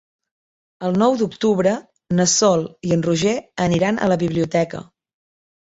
El nou d'octubre na Sol i en Roger aniran a la biblioteca.